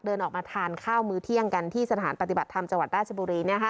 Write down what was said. เดินออกมาทานข้าวมือเที่ยงกันที่สถานปฏิบัติธรรมจังหวัดราชบุรี